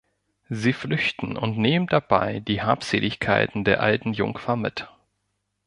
Sie flüchten und nehmen dabei die Habseligkeiten der alten Jungfer mit.